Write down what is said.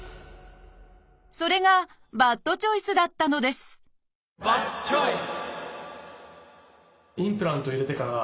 それがバッドチョイスだったのですバッドチョイス！